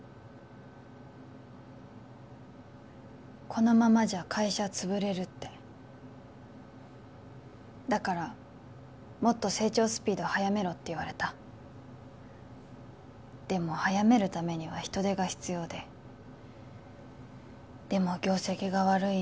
このままじゃ会社潰れるってだからもっと成長スピードを早めろって言われたでも早めるためには人手が必要ででも業績が悪い